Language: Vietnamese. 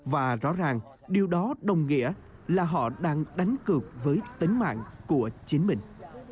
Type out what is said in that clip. và rõ ràng điều đó đồng nghĩa là họ đang đánh cược với tính mạng của chính mình